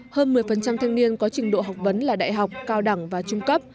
hơn một mươi thanh niên có trình độ học vấn là đại học cao đẳng và trung cấp